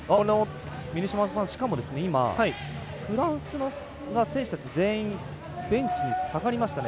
しかも今フランスの選手たち全員ベンチに下がりましたね。